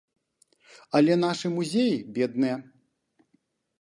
Але нашы музеі бедныя.